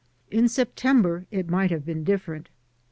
In September it might have been diflferent.